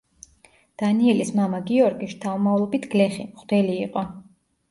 დანიელის მამა გიორგი, შთამომავლობით გლეხი, მღვდელი იყო.